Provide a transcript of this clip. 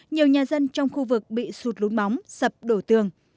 nhiều nhà dân trong khu vực bị sụt lún móng sập đổ tường